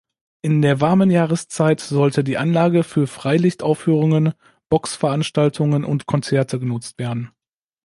In der warmen Jahreszeit sollte die Anlage für Freilichtaufführungen, Boxveranstaltungen und Konzerte genutzt werden.